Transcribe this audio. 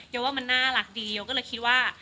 ว่ามันน่ารักดีโยก็เลยคิดว่า